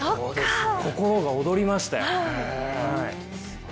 心が躍りましたよ。